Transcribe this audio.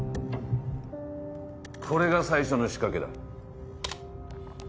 これが最初の仕掛けだ。